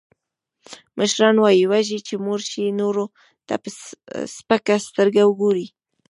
مشران وایي، وږی چې موړ شي، نورو ته په سپکه سترگه گوري.